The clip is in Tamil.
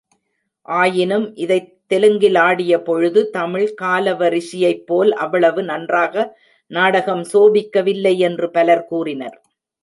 ஆயினும் இதைத் தெலுங்கில் ஆடியபொழுது தமிழ் காலவ ரிஷியைப்போல் அவ்வளவு நன்றாக நாடகம் சோபிக்கவில்லை என்று பலர் கூறினர்.